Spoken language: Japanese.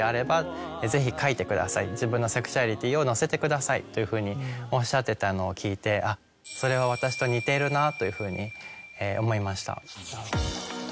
「自分のセクシュアリティーを載せてください」というふうにおっしゃってたのを聞いて。というふうに思いました。